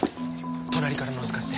隣からのぞかせて。